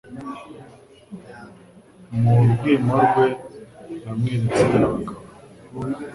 Mu rwimo rwe Namweretse abagabo